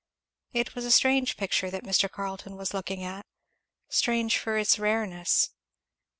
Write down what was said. It was a strange picture that Mr. Carleton was looking at, strange for its rareness.